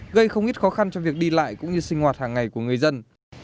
gây không ít khó khăn cho việc đi lại cũng như sinh hoạt hàng ngày của người dân